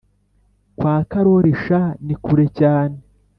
kwa karoli shaa nikure cyane